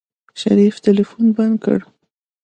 شريف ټلفون بند کړ.